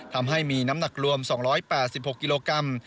ทำให้มีน้ำหนักรวม๒๘๖กิโลกรัม